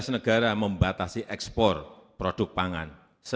lima belas negara membatasi ekspor produk pangan